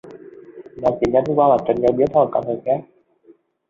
Mỗi chỉ nhớ đến quân là trinh như biến thành một con người khác